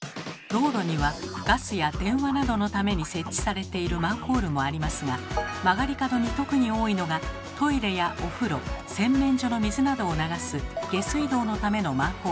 道路にはガスや電話などのために設置されているマンホールもありますが曲がり角に特に多いのがトイレやお風呂洗面所の水などを流す下水道のためのマンホール。